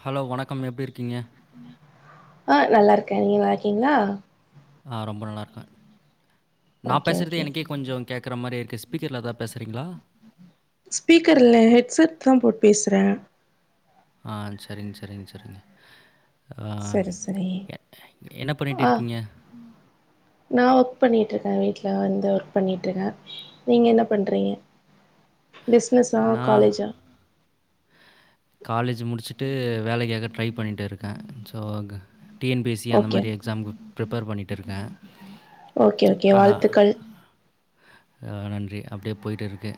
Hello வணக்கம் எப்டி இருக்கீங்க ஆ நல்லா இருக்கே நீங்க நல்லாயிருக்கீங்களா ஆ ரொம்ப நல்லா இருக்கே நா ஓகே பேசுறது ஓகே எனக்கே கொஞ்சோ கேக் குற மாரியே இருக்கு ஸ்பிக்கர்ல் எதா பேசறீங்களா ஸ்பீக்கர் இல்ல ஹெட்செட் தா போட் பேசுறே ஆ செரிங் செரிங் செரிங்க ஆ சரி சரி எ என்ன பண்ணிட்டு ஆ இருக்கீங்க நா ஒக் பண்ணிகிட்ருக்கே வீட்ல வந்து ஒர்க் பண்ணிட்டுருக்கே நீங்க என்ன பண்றீங்க பிஸ்னஸா நான் காலேஜா காலேஜ் முடிச்சுட்டு வேலைக்காக ட்ரை பண்ணிட்டு இருக்கே ஸோ க டிஎன்பிஎஸ்சி அந்த ஓகே மாரி எக்ஸாம்க்கு ப்ரிப்பேர் பண்ணிட்டு இருக்கே ஓகே ஓகே வாழ்த்துக்கள் அ நன்றி அப்டே போய்ட்டுருக்கு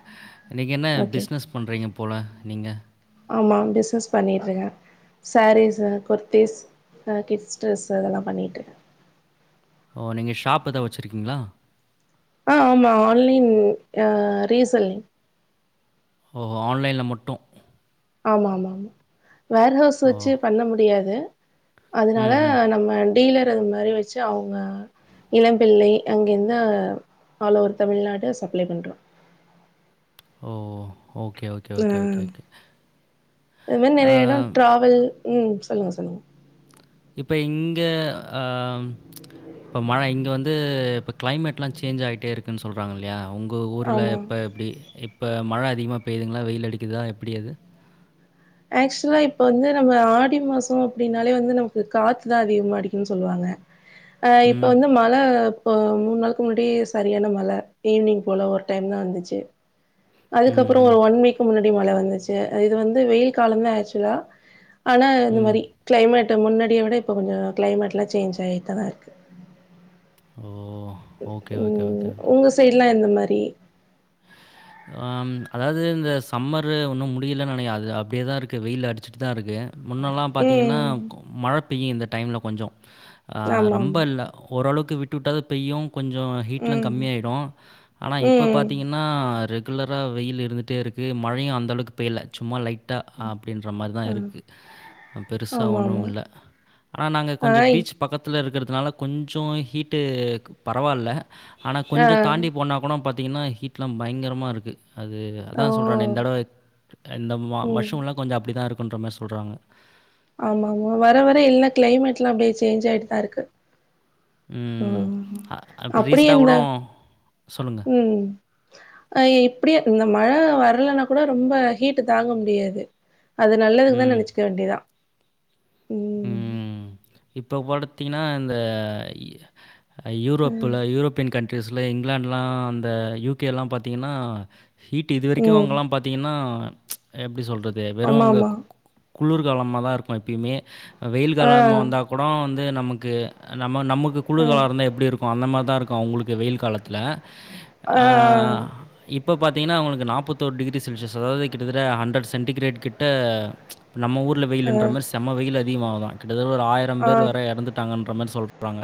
நீங்க என்ன ஓகே பிஸ்னஸ் பண்ணுறீங்க போல நீங்க ஆமா பிஸ்னஸ் பண்ணிட்டுருக சேரீஸு குர்த்திஸ் அ கிட்ஸ் ட்ரெஸ்ஸு அதெல்லா பண்ணிட்ருக்கே ஓ நீங்க ஷாப் எதா வெச்சுருக்கீங்ளா ஆ ஆமா ஆன்லைன் அ ரீசெல்லிங் ஓஹோ ஆன்லைன்ல மட்டு ஆமா ஆமா ஆமா வேர் ஹவுஸ் ஓ! வெச்சு பண்ண முடியாது அதனால ம்ஹ்ம். நம்ம டீலர் அது மாரி வெச்சு அவுங்க இளம்பிள்ளை அங்கேந்து ஆல் ஓவர் தமிழ்நாடு சப்ளை பண்றோ ஓ ஓகே ஓ லாம் அத் மார் அ நெறைய எடோ ட்ராவல் ம் சொல்லுங்க சொல்லுங்க இப்ப இங்க ஆ ம் இப்போ மழை இங்க வந்து இப்ப க்ளைமேட்லா சேஞ் ஆகிட்டே இருக்குன் சொல்றாங்க இல்லையா உங் ங்க ஊருல ஆமா எப்ப எப்டி இப்ப மழ அதிகமா பெய்துங்ளா வெயில் அடிக்குதா எப்படி அது ஆக்சுவலா இப்ப வந்து நம்ம ஆடி மாசோ அப்டின்னாலே வந்து நமக்கு காத்துதா அதிகமா அடிக்குன் சொல்லுவாங்க [inaudible] ஆ இப்ப வந்து மழ இப்போ மூண் நாளுக் முன்னாடி சரியான மழ ஈவ்னிங் போல ஒரு டைம் தா வந்துச்சு அதுக்கப்புறோ ஒரு ம்ஹ்ம். ஒன் வீக் முன்னாடி மழ வந்துச்சு இது வந்து வெயில் காலந்தா ஆக்சுவலா ஆனா ம். இந்த ம். மாரி க்ளைமேட்டு முன்னாடிய விட இப்போ கொஞ்சோ க்ளைமேட்லா சேஞ் ஆயிட்டதா இருக்கு ஓ ஓகே, ஓகே, ம் ஓகே, ஓகே. உங்க சைட்ல்லா எந்த மாரி ஆம் அதாது இந்த சம்மரு உன்னு முடியல நெனைய அது அப்டேதா இருக்கு வெயில் அடிச்சிட்டுதாருக்கு முன்னெல்லா பாத்தீங்கன்னா ம் மழ பெய்யு இந்த டைமில கொஞ்சோ ஆ ஆமா ரொம்ப இல்ல ஓரளவுக்கு விட்டு விட்டாது பெய்யு கொஞ்சோ ஆமா ஹீட்லா ம் கம்மியாயிடு ஆனா இப்ப ம் பாத்தீங்க ங்ன்னா ரெகுலர வெயில் இருந்துட்டே இருக்கு மழையு அந்தளவுக்கு பெய்யல சும்மா லைட் டா அப்டின்ற மாரிதா ஆ இருக்கு அ பெருசா ஆமா ஆமா ஒண்ணுமில்ல ஆனா நாங்க கொஞ்ச ஆய் பீச் பக்கத்தில இருக்கிறதுனால கொஞ்சோ ஹீட்டு பரவால்ல ஆனா ஆ கொஞ்சோ தாண்டி போனா கூட பாத்தீங்கன்னா ஹீட்லா பயங்கிரமாருக்கு அது ஓ அதா சொல்றனே இந்தடவ இந்த மா ம் வர்ஷோலா கொஞ்சொ அப்டிதா இருக்குன்ற மாரி சொல்றாங்க ஆமா ஆமா வர வர எல்லா க்ளைமேட்லா அப்டே சேஞ்ச் ஆயிட்டுதா இருக்கு ஓஹோ ம். அ அப்ப அப்படியே ரீசென்ட்டா இந்த கூட சொல்லுங்க. ம் அ எப்படியோ இந்த மழ வரலன்னா கூட ரொம்ப ஹீட்டு தாங்க முடியாது அது நல்லதுக்குதான் ம். நெனச்சுக்க வேண்டியதா ம் இப்ப படுத்தீங்ன்னா இந்த அ ம் யூரோப்ல யூரோப்பியன் கன்ட்ரீஸ்ல இங்கிலாண்ட்லா அந்த யூகேலா பாத்தீங்கன்னா ஹீட்டு இது வெரிக்கு ம் அவுங்கல்லா பாத்தீங்கன்னா எப்டி சொல்றது வெறு ஆமா அங்க ஆமா குளிர்காலமாதா இருக்கு எப்பியுமே வெயில் ஆ காலம வந்தா கூடோ வந்து நமக்கு நம்ம நமக்கு அ குளிர்காலோ இருந்தா எப்டி இருக் கு அந்த மாரி தா இருக்கு அவுங்களுக்கு வெயில் காலத்துல ஆ இப்ப பாத்தீங்கன்னா அவங்களுக்கு நாப்பத்தோரு டிகிரி செல்சியஸ் அதாவது கிட்டத்தட்ட ஹண்ட்ரட் சென்டிகிரேட் கிட்ட நம்ம ஊர்ல ஆ வெயிலுன்ற மாரி செம்ம வெயில் அதிகமாவுதா கிட்டத்தட்ட ஒரு ஆயிரம் ஆ பேரு வர எறந்துட்டாங்கன்ற மாரி சொல்றா ங்க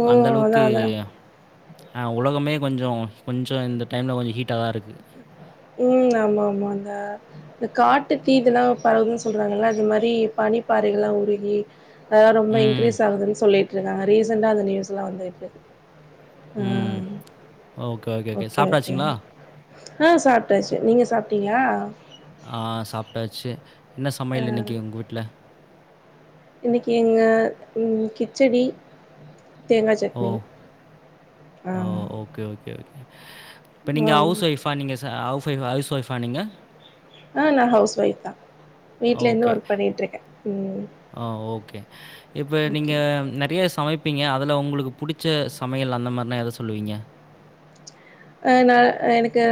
ஓ அந்த அதா அளவுக்கு அதா ஆ உலகமே கொஞ்சோ கொஞ்சோ இந்த டைம்ல கொஞ்சோ ஹீட்டா தா இருக்கு ம் ஆமா ஆமாங்க இந்த காட்டு தீ இதெல்லா பரவுதுன்னு சொல்றாங்கல்ல அது மாரி பனிப்பாறைகள்ல்லா உருகி அதா ரொம்ப ம். இன்க்ரீஸ் ஆகுதுன்னு சொல்லிட்டு இருந்தாங்க ரீசன்டா அந்த நியூஸ் எல்லா வந்துகிட்டு இருக்கு ஆ ம் ஓகே ஓகே ஓகே ஓகே ஆ சாப்ட்டாச்சு நீங்க சாப்ட்டீங்களா ஆ சாப்ட்டாச்சு என்ன ஆ சமையல் இன்னக்கி உங்க வீட்ல இன்னக்கி எங்க ம் கிச்சடி தேங்கா சட்னி ஓ! ஆ ஓ! ஓகே ஓகே ஓகே இப்ப நீங்க ஆம் ஹவுஸ் ஒய்ஃப்பா நீங்க ச ஹவுஸ் வைஃபா ஹவுஸ் ஒய்ஃப்பா நீங்க ஆ நா ஹவுஸ் ஒய்ஃப் தா வீட்ல இருந்து ஓகே. ஒர்க் பண்ணிட்டு இருக்கே ம் ஆ ஓகே இப்ப நீங்க ஓகே நெறையா சமைப் பீங்க அதுல உங்களுக்கு புடிச்ச சமையல் அந்த மாரினா எத சொல்லுவீங்க ஆ நா எனக்கு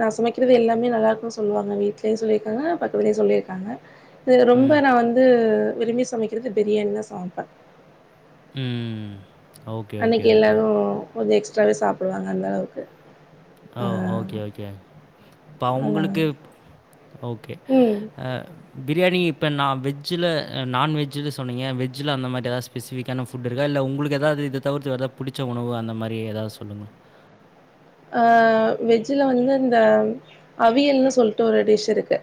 நா சமைக்கிறது எல்லாமே நல்லாயிருக்குன்னு சொல்லுவாங்க வீட்லயு சொல்லிருக்காங்க பக்கத்துலயு சொல்லிருக்காங்க இது ரொம்ப ம். நா வந்து விரும்பி சமைக்கிறது பிரியாணி தா சமப்பே ம் ஓகே, ஓகே, அன்னக்கி ஓகே. எல்லாரு கொஞ்சோ எக்ஸ்ட்ராவே சாப்டுவாங்க அந்த அளவுக்கு ஓ ஆ ஓகே ஓகே இப்ப அதா அவுங்களுக்கு ஓகே ம் ஆ பிரியாணி இப்ப நா வெஜ்ஜுல நான்வெஜ்ஜு சொன்னீங்க வெஜ்ஜுல அந்த மாதிரி எதாவது ஸ்பெசிஃபிக்கான ஃபுட்டு இருக்கா இல்ல உங்களுக்கு எதாவது இத தவிர்த்து வேற எதா புடிச்ச உணவு அந்த மாரி ஏதாவது சொல்லுங்க ஆ வெஜ்ல வந்து இந்த அவியல்ன்னு சொல்ட்டு ஒரு டிஷ் இருக்கு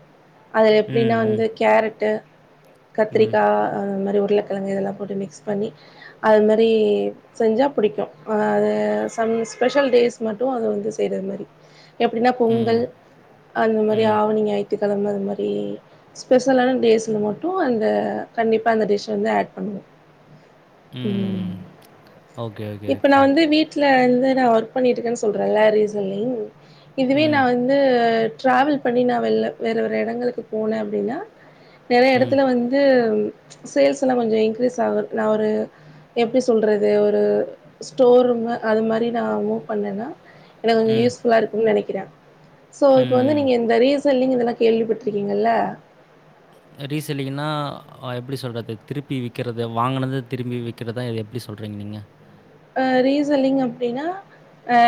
அதுல எப்டின்னா ம். வந்து கேரட்டு ம். ம். கத்திரிக்கா அந்த மாரி உருளக் கெழங்கு இதெல்லா போட்டு மிக்ஸ் பண்ணி அது மாரி செஞ்சா புடிக்கு அது சம் ஸ்பெஷல் டேஸ் மட்டு அத வந்து செய்றது மாரி எப்டின்னா ம். பொங்கல் அந்த மாரி ம். ஆவணி ஞாயி த்துக்கெழம அது மாரி ஸ்பெஷலான டேஸ்ல மட்டு அந்த கண்டிப்பா அந்த டிஷ் வந்து ஆட் பண்ணுவோ ம் ஓகே, ஓகே, இப்ப நா ஓகே. வந்து வீட்ல இருந்து நா வொர்க் பண்ணிட்டு இருக்கேன்னு சொல்றேன்ல ரீசன்லி இதுவே நா ம். வந் து ட்ராவல் பண்ணி நா வெள்ல வேற வேற எடங்களுக்கு போனே அப்டின்னா நெறைய ம். எடத்துல வந்து சேல்ஸ் எல்லா கொஞ்சோ இன்க்ரீஸ் ஆகு நா ஒரு எப்டி சொல்றது ஒரு ஸ்டோர் ரூமு அது மாரி நாமு வந்தேன்னா எனக்கு கொஞ்சோ ம். யூஸ்ஃபுல்லா இருக்குன்னு நெனைக்கிறே சோ இப்ப வந்து ம். நீங்க இந்த ரீ செல்லிங் இதெல்லா கேள்விப்பட்டுருக்கீங்கல்ல ரீசெல்லிங்கனா ஆ எப்டி சொல்றது திருப்பி விக்கிறது வாங்குனத திரும்பி விக் கிறதா இத எப்டி சொல்றீங்க நீங்க ஆ ரீசெல்லிங் அப்டின்னா ஆ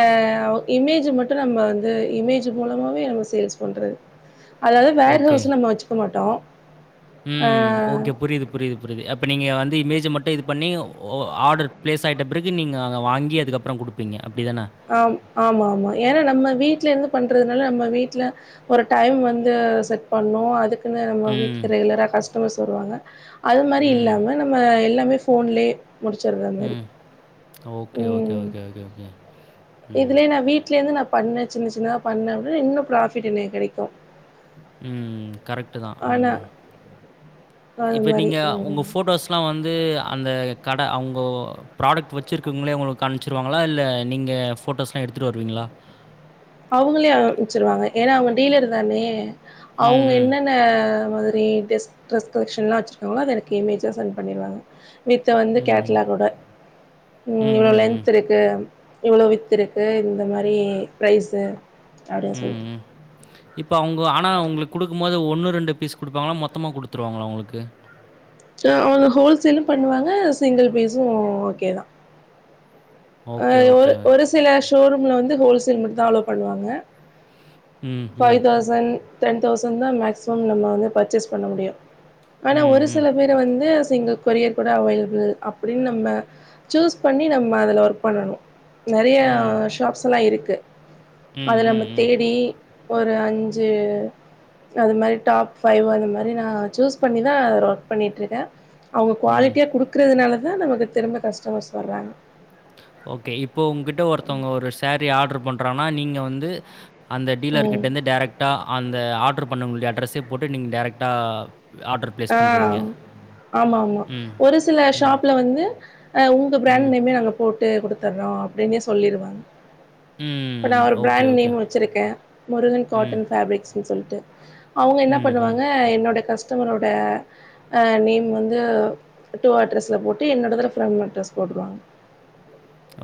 இமேஜ் மட்டு நம்ம வந்து இமேஜ் மூலமாவே நம்ம சேல்ஸ் பண்றது அதாவ்து வேர் ஹவுஸ் நம்ம வச்சுக்க மாட்டோ உம் ஓகே புரிது புரிது புரிது அப்ப நீங்க வந்து இமேஜ் மட்டும் இது பண்ணி ஆர்டர் பிளேஸ் ஆயிட்ட பறகு நீங்க அங்க வாங்கி அதுக்கப்புறம் கொடு ப்பீங்க அப்டிதானா ஆம் ஆமா ஆமாம் ஏன்னா நம்ம வீட்ல இருந்து பண்றதுனால நம்ம வீட்ல ஒரு டைம் வந்து செட் பண்ணோ அதுக் குனு நம்ம ம். வீட்டுக்கு ரெகுலரா கஸ்டமர்ஸ் வருவாங்க அது மாரி ம். இல்லாம நம்ம எல்லாமே ஃபோன்லயே முடிச்சடுற மாரி ம். ஓகே, ஓகே, உம் ஓகே ஓகே ம். இதுலயே நா வீட்லேந்து நா பண்ணே சின்ன சின்னதா பண்ணே அப்பிடின்னா இன்னு ப்ராஃபிட் எனக் கெடைக்கு ம் கரெக்ட்டு தா அம் ஆனா அது இப்ப மாரி நீங்க உங்க ம் ஃபோட்டோஸ் லாம் வந்து அந்த கட அவுங்கோ ப்ராடக்ட் வச்சுருக்கவங்களே உங்களுக்கு அனுப்ச்சிருவாங்களா இல்ல நீங்க ஃபோட்டோஸ்லா எடுத்துட்டு வருவீங்களா அவுங்களே அனுப்ச்சிருவாங்க ஏனா அவங்க டீலர் தானே ம், அவுங்க ம். என்னென்ன மாதிரி ட்ரஸ் ட்ரஸ் கலெக்ஷன்லா வச்சிருக்காங்களோ அத எனக்கு இமேஜா சென்ட் பண்ணிருவாங்க வித் வந்து ம். கேட்லாகோட ம் இவ்ளோ லென்த் இருக்கு இவ்வளவு வித்து இருக்கு இந்த மாதிரி பிரைஸு அப்டின் சொல்லி இப்போ அவங்க ஆனா உங்களுக்கு கொடுக்கும் போது ஒன்று ரெண்டு பீஸ் கொடுப்பாங்களா மொத்தமா கொடுத்துருவாங்களா உங்களுக்கு ச அவங்க ஹோல்சேலு பண்ணுவாங்க சிங்கிள் பீஸும் ஓகே தான் அ ஓகே, ஓகே. ஒரு ஒரு சில ஷோரூம்ல வந்து ஹோல்சேல் மட்டு தான் அளோ பண்ணுவாங்க ம், ஃபை ம். தவ்ச சன் டென்தௌசன் தா மேக்சிமம் நம்ம வந்து பர்ச்சேஸ் பன்ன முடியு அன ம், ஒரு ம். சில வேர வந்து சிங்கிள் கொரியர் கூட அவைலபிள் அப்படின்னு நம்ம சூஸ் பண்ணி நம்ம அதில ஒரு பண்ணணு நறைய ம். ஷாப்ஸ்லா இருக்கு ம், அதுல ம், நமக் ம். தேடி ஒரு அஞ்சு அது மாரி டாப் ஃபைவ் அந்த மாரி நான் சூஸ் பண்ணி தா அதுல ஒர்க் பண்ணிட்டுருக்கே அவுங்க ம். குவாலிட்டியா குடுக்கறதுனால தான் நமக்கு திரும்ப கஸ்டமர்ஸ் வர்றாங்க ஓகே இப்போ உங்ககிட்ட ஒருத்தவங்க ஒரு சாரீ ஆர்டர் பண்றங்கனா நீங்க வந்து அந்த டீலர்க் ம். கிட்ட இருந்து டடைரக்ட் டா அந்த ஆ்டர் பண்ணவங்களுடைய அட்ரஸே போட்டு நீ டரைக்டா ஆட்ர் ஆ ஆமா ஆமா ம். ஒரு சில ம். ஷாப்ல வந்து அ உங்க பிராண்ட் ம். நேமே நாங்க போட்டு குடுத்தற்றோ அப்படினு சொல்லிருவாங் இப்ப நா ம். ஒரு ஓகே, பிராண்ட் ஓகே. நேம் வச்சிருக்கே முருகன் ம். காட்டன் பேப்ரிக்ஸ்ன்னு சொல்ட்டு அவுங்க என்ன ம்ஹ்ம். பண்ணுவாங்க என்னோட கஸ்டமரோட அ நேம் வந்து டூ அட்ரஸ்ல போட்டு என்னோடதுல ஃப்ரம் அட்ரஸ் போட்டுருவாங்க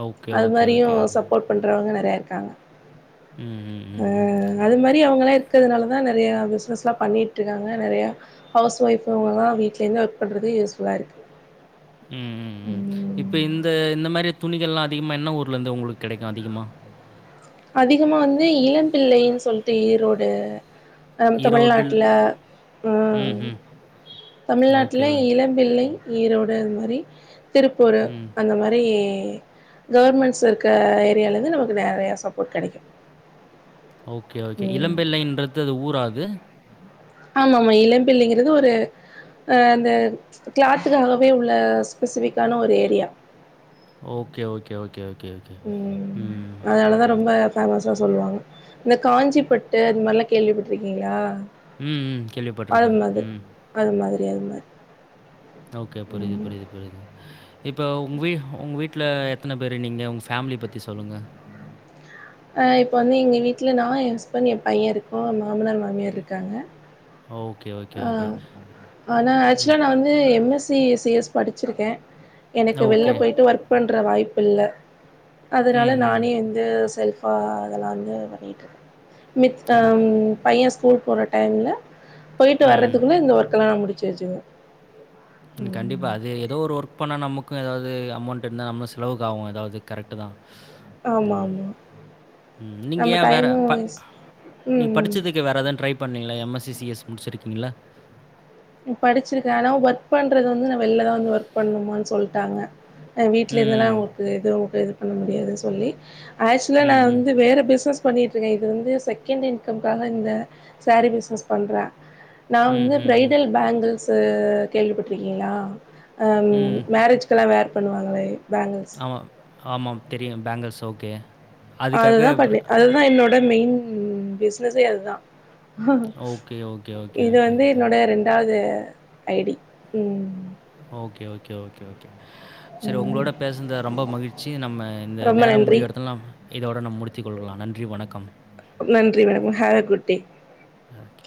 okay okay okay okay support பண்றவங்க நறையா இருக்காங்க ம் ம் ம் அ ம். அது மாரி அவங்களலா இருக்கறதுனால தான் நறையா பிஸ்னஸ்லா பண்ணிட்டுருக்காங்க நறையா ஹவுஸ் ஒய்ஃபுனாங்லா வீட்டலேந்து ஒர்க் பண்றது யூஸ்ஃபுல்லா இருக்கு ம் ம் ம் இப்போ இந்த இந்த மாரி துணிகள்லா அதிகமா என்ன ஊர்லேருந்து உங்களுக்கு கிடைக்கு அதிகமா அதிகமா வந்து இளம் பிள்ளைன்னு சொல்லிட்டு ஈரோடு அ நம்ம ஈரோடில் தமிழ்நாட்ல ம் ம்ஹ்ம். ஓகே. தமிழ்நாட்ல இளம் பிள்ளை ஈரோடு அது மாரி திருப்பூர் ம். அந்த மாரி கவர்மெண்ட்ஸ் இருக்க ஏரியாலேந்து நமக்கு நெறையா சப்போட் கெடைக்கு ஓகே ஓகே ம் இளம்பிள்ளைன்றது அது ஊரா அது ஆமாம்மா இளம்பிள்ளைங்கிறது ஒரு அ அந்த க்ளாத்துக்காகவே உள்ள ஸ்பெசிபிக்கான ஒரு area okay okay okay okay ம் ம். அதுனாலதா ரொம்ப ஃபேமஸா சொல்லுவாங்க இந்த காஞ்சிபட்டு அது மாரிலா கேள்விப்பட்ருக்கீங்களா ம், ம். அது கேள்விப்பட்டுருக்கேன். மாதர் ம். அது மாதிரி அது மாரி ஓகே புரியுது ம் புரியுது புரியுது இப்ப உங்க வீ உங்க வீட்ல எத்தன பேரு நீங்க உங்க ஃபேமிலி பத்தி சொல்லுங்க அ இப்ப வந்து எங்க வீட்ல நா ஏ ஹஸ்பண்ட் ஏ பையே இருக்கோ மாமனார் மாமியார் இருக்காங்க ஓகே ஓ ஆ ஆனா ஆக்சுவலா நா வந்து M S C C S படிச்சுருக்கே எனக்கு வெள்ல ஓகே. பொயி்ட்டு ஒர்க் பண்ற வாய்ப்பு இல்ல ம், அதுனால ம். நானே வந்து செல்ஃப் மித் அ பையே ஸ்கூல் போற டைம்ல பொயிட்டு ம். வர்றதுக்குள்ள இந்த ஒர்க்கெல்லா நா முடிச்சு வச்சுருவே ம் கண்டிப்பா பா அது எதோ ஒரு ஒர்க் பண்ணா நமக்கு எதாவது அமௌண்ட் இருந்தா நம்ம செலவுக்கு ஆகு எதாவது கரெக்ட்டு தா ம் ஆமாமா. ம் நீங்க நம்ம ஏ வேற டைமும் ப வேஸ்ட் ம். நீங்க படிச்சதுக் ம். த்து வேற எதான் ட்ரை பண்ணீங்களா M S C C S முடிச்சு இருக்கீங்கல படுச்சுருக்கே ஆனா ஒர்க் பண்றது வந்து நா வெள்லதா வந்து ஒர்க் பண்ணனுமானு சொல்டாங்க ஆ வீட்ல இருந்தல்லா ம். அவுங்களுக்கு எதுவு ஹெல்ப் பண்ண முடியாதுனு சொல்லி ஆக்சுவலா நா ம், ம். வந்து வேற பிஸ்னஸ் பண்ணிட்ருக்கே இது வந்து செகண்ட்டு இன்கம்காக இந்த சாரி பிஸ்னஸ் பண்றே நா ம், வந்து ம், ம். ப்ரைடல் பேங்கிள்ஸு கேள்விப்பட்ருக்கீங்களா ஆ ம். மேரேஜ்க்கலா வேர் பண்ணுவாங்களே பேங்கில் ஒ ஆமாம் தெரியு பேங்கில்ஸ் ஓகே அதுக்காக அதுதா ப்ர பண்ணே அதுதா என்னோட மெயின் பிஸ்னஸே அதுதா ஓகே, ஓகே, ஓகே, இது ஓகே, வந்து ஓகே. என்னுடைய ரெண்டாவது ஐடி ம் ஓகே ஓகே ஓகே ஓகே செரி ம் உங்களோட பேஸ்னது ரொம்ப மகிழ்ச்சி நம்ம இந்த ரொம்ப நேரம் நன்றி முடிவு எடத்துல நாம் இதோட நம் முடித்துகொள்ளலா நன்றி வணக்கம் நன்றி வணக்கம் ஹேவ்வ குட்டே அ ஓகே